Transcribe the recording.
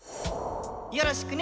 よろしくね！